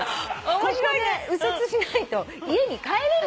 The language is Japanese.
ここで右折しないと家に帰れないから。